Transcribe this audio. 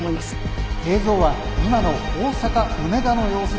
「映像は今の大阪・梅田の様子です。